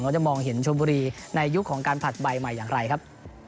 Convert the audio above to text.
จะมองเห็นชมบุรีในยุคของการผลัดใบใหม่อย่างไรครับ